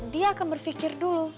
dia akan berpikir dulu